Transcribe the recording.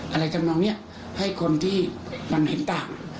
ทำนองนี้ให้คนที่มันเห็นต่าง